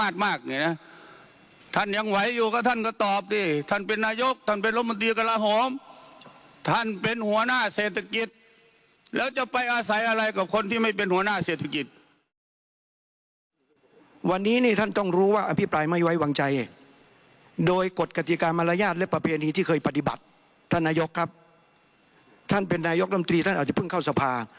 ท่านเป็นนายกรัฐมนตรีท่านอาจจะเผื่อเข้าสภาวน์